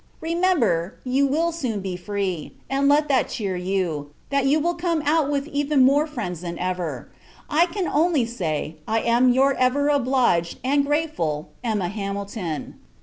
Remember, you will soon be free; and let that cheer you, that you will come out with even more friends than ever. I can only say, I am your ever obliged, and grateful, EMMA HAMILTON.